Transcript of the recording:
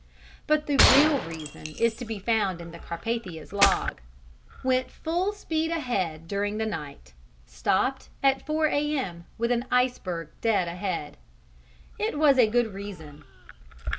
But the real reason is to be found in the Carpathia's log: "Went full speed ahead during the night; stopped at 4 A.M. with an iceberg dead ahead." It was a good reason.